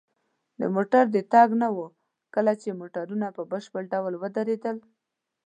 د موټرو د تګ نه وه، کله چې موټرونه په بشپړ ډول ودرېدل.